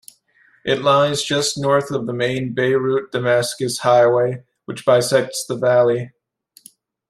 It lies just north of the main Beirut-Damascus highway, which bisects the valley.